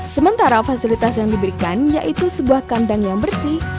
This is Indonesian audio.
sementara fasilitas yang diberikan yaitu sebuah kandang yang bersih